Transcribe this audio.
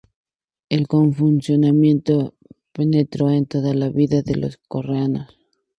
El confucianismo penetró en toda la vida de los coreanos.